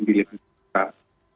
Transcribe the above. milik bung besar